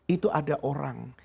itu ada orang